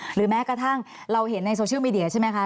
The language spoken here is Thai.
หรือแม้กระทั่งเราเห็นในโซเชียลมีเดียใช่ไหมคะ